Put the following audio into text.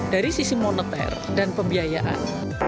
dari sisi moneter dan pembiayaan